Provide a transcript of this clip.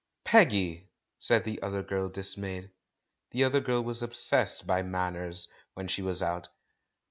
"Peggy!" said the other girl, dismayed. The other girl was obsessed by "manners" when she was out.